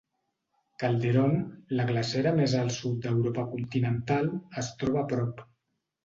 Calderone, la glacera més al sud d'Europa continental, es troba a prop.